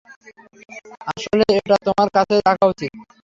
আসলে এটা তোমার কাছেই রাখা উচিত।